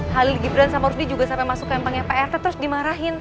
halil gibran sama rusdi juga sampai masuk kemangnya prt terus dimarahin